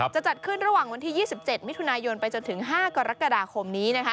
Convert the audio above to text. จะจัดขึ้นระหว่างวันที่๒๗มิถุนายนไปจนถึง๕กรกฎาคมนี้